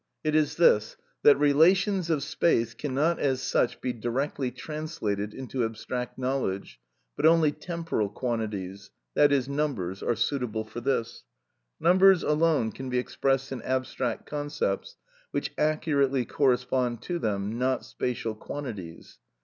It is this, that relations of space cannot as such be directly translated into abstract knowledge, but only temporal quantities,—that is, numbers, are suitable for this. Numbers alone can be expressed in abstract concepts which accurately correspond to them, not spacial quantities.